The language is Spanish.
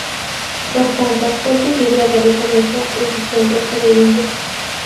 Por tanto, fue su libro de referencia en su Empresa de Indias.